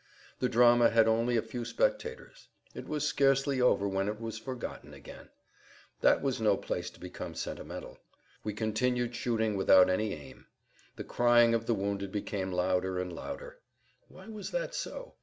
The drama had only a few spectators. It was scarcely over when it was forgotten again. That was no place to become sentimental. We continued shooting without any aim. The crying of the wounded became louder and louder. Why was that so?